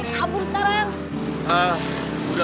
udah udah udah